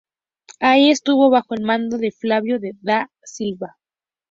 Ahí estuvo bajo el mando de Flavio Da Silva.